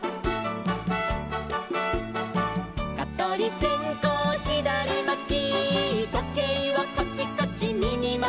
「かとりせんこうひだりまき」「とけいはカチカチみぎまきで」